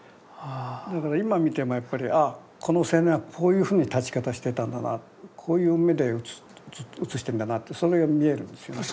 だから今見てもやっぱりああこの青年はこういうふうに立ち方してたんだなこういう目で写してんだなってそれが見えるんですよね。